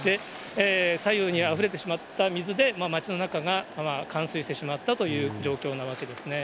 左右にあふれてしまった水で町の中が冠水してしまったという状況なわけですね。